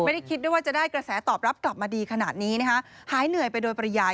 ไม่ได้คิดได้ว่ากระแสตอบรับกลับมาดีขนาดนี้นะคะ